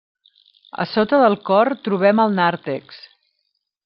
A sota del cor trobem el nàrtex.